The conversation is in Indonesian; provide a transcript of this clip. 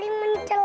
eh semuanya diam